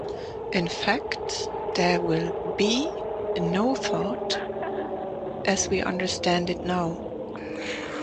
In fact there will "be" no thought, as we understand it now.